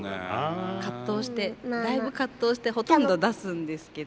葛藤してだいぶ葛藤してほとんど出すんですけど。